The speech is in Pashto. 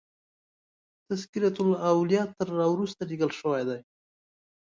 تذکرة الاولیاء تر را وروسته لیکل شوی دی.